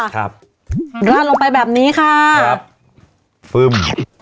ครับฟึ่ม